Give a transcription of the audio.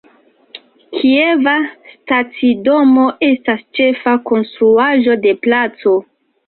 Kieva stacidomo estas ĉefa konstruaĵo de placo.